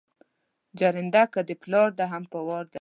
جرنده که دا پلار ده هم په وار ده